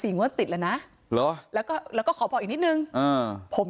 งวดติดแล้วนะเหรอแล้วก็แล้วก็ขอบอกอีกนิดนึงอ่าผม